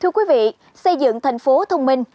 thưa quý vị xây dựng thành phố thông minh